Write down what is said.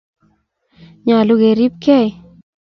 nyolu keribgei